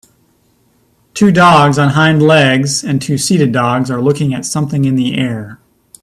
Two dogs on hind legs and two seated dogs are looking at something in the air.